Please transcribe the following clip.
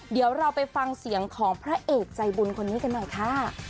เดี๋ยวเราไปฟังเสียงของพระเอกใจบุญคนนี้กันหน่อยค่ะ